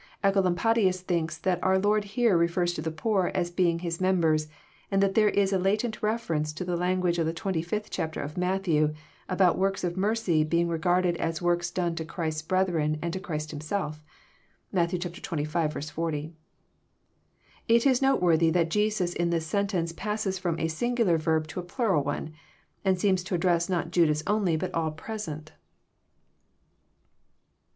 Ecolampadius thinks that our Lord here refers to the poor as being His members, and that there is a latent reference to the language of the twenty fifth chapter of Matthew, about works of mercy being regarded as works done to Christ's brethren and to Christ Himself. (Matt. xxv. 40.) It is noteworthy that Jesus in this sentence passes fi*om a singular verb to a plural one, and seems to address not Judas only, but all present.